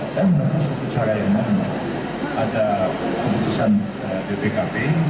saya menurutnya satu cara yang memang ada keputusan bpkp